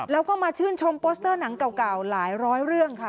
แล้วก็มาชื่นชมโปสเตอร์หนังเก่าหลายร้อยเรื่องค่ะ